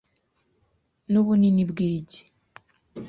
Nubunini bw'igi .